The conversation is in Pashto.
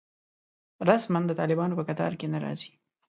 رسماً د طالبانو په کتار کې نه راځي.